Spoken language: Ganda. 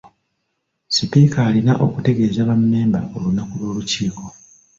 Sipiika alina okutegeeza ba memba olunaku lw'olukiiko.